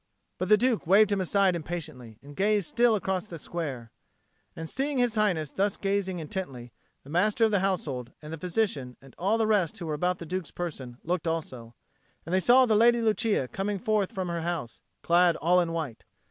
But the Duke waved him aside impatiently, and gazed still across the square. And, seeing His Highness thus gazing intently, the Master of the Household and the physician and all the rest who were about the Duke's person looked also; and they saw the Lady Lucia coming forth from her house, clad all in white.